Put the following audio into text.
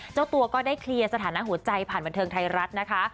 เจ้าตัวก็ได้เคลียร์สถานะหัวใจผ่านบันเทิงไทยรัฐนะคะ